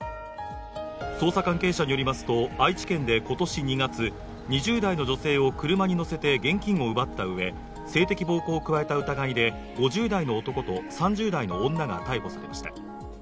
捜査関係者によりますと愛知県で今年２月、２０代の女性を車に乗せて現金を奪ったうえ、性的暴行を加えた疑いで５０代の男と３０代の女が逮捕されました。